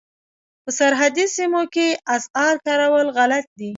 په سرحدي سیمو کې اسعار کارول غلط دي.